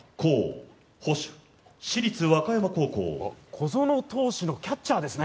小園投手のキャッチャーですね。